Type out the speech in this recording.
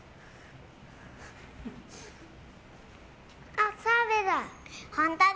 あ、澤部だ。